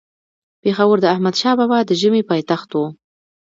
پيښور د احمدشاه بابا د ژمي پايتخت وو